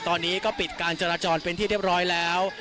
ตอนนี้ก็ปิดการจราจรเป็นที่เรียบร้อยแล้ว